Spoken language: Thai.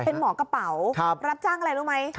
เป็นหมอกระเป๋ารับจ้างอะไรรู้ไหม